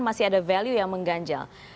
masih ada value yang mengganjal